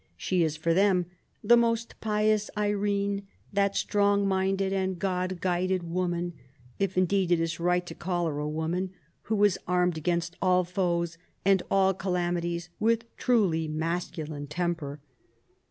She is for them " the most pious Irene," " that strong minded and God guided woman, if, indeed, it be right to call her a woman, who was armed against all foes and all calamities with truly masculine temper."